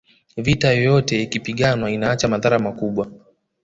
vita yoyote ikipiganwa inaacha madhara makubwa